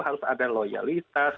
harus ada loyalitas